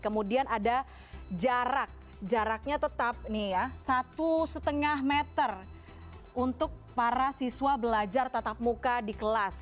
kemudian ada jarak jaraknya tetap nih ya satu lima meter untuk para siswa belajar tatap muka di kelas